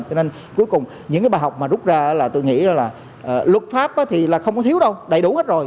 cho nên cuối cùng những cái bài học mà rút ra là tôi nghĩ là luật pháp thì là không có thiếu đâu đầy đủ hết rồi